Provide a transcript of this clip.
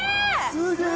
すげえ！